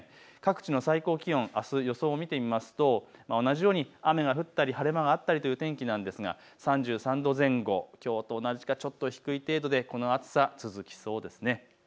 各地の最高気温、あすの予想を見てみると同じように雨が降ったり晴れ間があったりという天気ですが３３度前後、きょうと同じかちょっと低い程度でこの暑さは続きそうです。